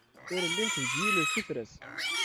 Ur llint deg yilel tifrat.